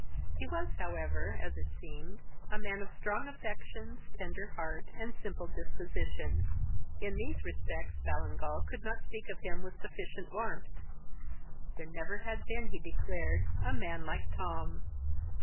He was, however, as it seemed, a man of strong affections, tender heart, and simple disposition. In these respects Ballingall could not speak of him with sufficient warmth. There never had been, he declared, a man like Tom.